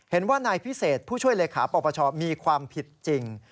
เห็นว่านายพิเศษผู้ช่วยเลขาปปชมีความผิดจริง